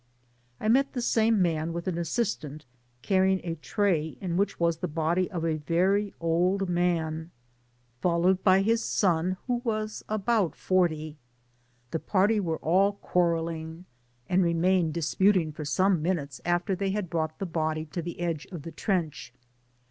I met the same man, with an assistant, carrying a tray, in which was the body of a very old man, followed by his son, who ■wa3 about forty years of age; the party were all quarrelling, and remained disputing for spme mi* nutes after they had brought the body to the edge of the trench.